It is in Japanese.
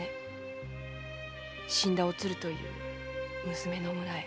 死んだおつるという娘の村へ。